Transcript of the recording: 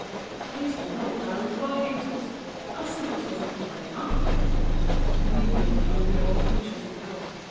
Please the Lord, I'll inquire into it!—I'll see what sort of people they are! Immediately came the old creature to the door.